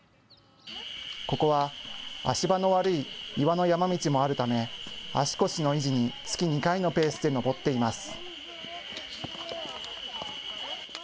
ここは足場の悪い岩の山道もあるため、足腰の維持に月２回のペースで登っています。